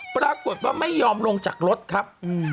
ปรากฏว่าไม่ยอมลงจากรถครับ